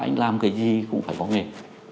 anh làm cái gì cũng phải có nghề